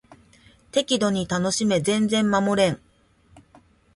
適度に楽しめ全然守れん